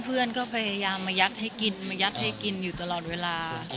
เพื่อนก็พยายามมายักษ์ให้กินอยู่ตลอดเวลา